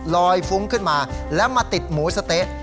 ฟุ้งขึ้นมาแล้วมาติดหมูสะเต๊ะ